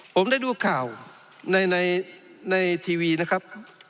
ผมได้ดูข่าวในทีวีนะครับ